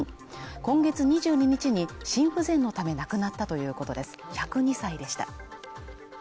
今月２２日に心不全のため亡くなったということです、１０２歳でした。